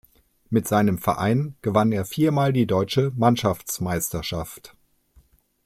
Mit seinem Verein gewann er viermal die deutsche Mannschaftsmeisterschaft.